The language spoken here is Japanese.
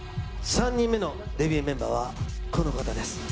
３人目のデビューメンバーは、この方です。